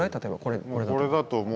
例えばこれだと。